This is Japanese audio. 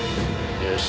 よし。